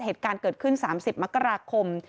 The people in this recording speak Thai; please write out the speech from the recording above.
เหตุการณ์เกิดขึ้น๓๐มกราคม